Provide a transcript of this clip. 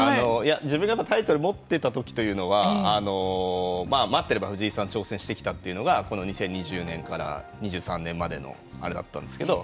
自分がタイトルを持っていた時というのは待ってれば藤井さんが挑戦してきたというのがこの２０２０年から２３年までのあれだったんですけど。